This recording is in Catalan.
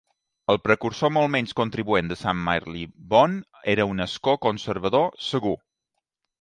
El precursor molt menys contribuent de Saint Marylebone era un escó conservador segur.